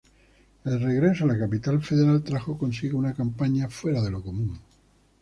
El regreso a la Capital Federal trajo consigo una campaña fuera de lo común.